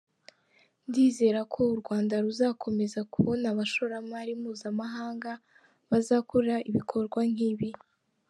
Ndizera ko u Rwanda ruzakomeza kubona abashoramari mpuzamahanga bazakora ibikorwa nk’ibi”.